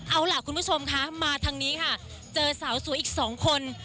เอาล่ะคุณผู้ชมคะมาทางนี้ค่ะเจอสาวสวยอีกสองคน